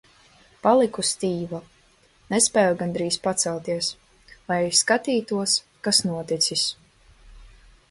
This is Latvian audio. Paliku stīva, nespēju gandrīz pacelties, lai skatītos, kas noticis.